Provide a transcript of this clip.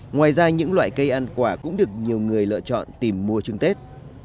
ngoài ra những loại cây ăn quả cũng được nhiều người lựa chọn tìm mua trứng tết